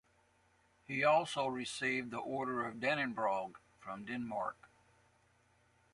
He also received the Order of Dannebrog from Denmark.